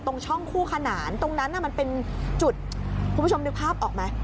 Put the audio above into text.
ตรงช่องคู่ขนานตรงนั้นมันเป็นจุดคุณผู้ชมนึกภาพออกไหม